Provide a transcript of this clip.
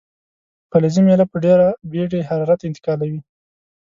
فلزي میله په ډیره بیړې حرارت انتقالوي.